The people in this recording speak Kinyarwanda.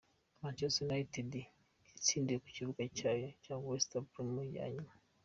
Manchester United itsindiwe ku kibuga cyayo na West Bromo ya nyuma.